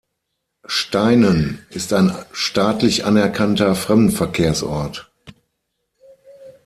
Steinen ist ein staatlich anerkannter Fremdenverkehrsort.